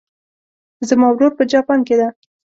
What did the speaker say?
زما ورور په جاپان کې ده